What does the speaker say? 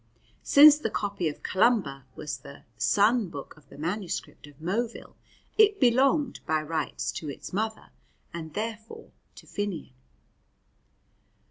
Since the copy of Columba was the "son book" of the manuscript of Moville, it belonged by rights to its mother, and therefore to Finnian.